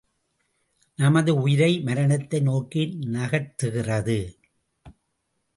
நமது உயிரை மரணத்தை நோக்கி நகர்த்துகிறது!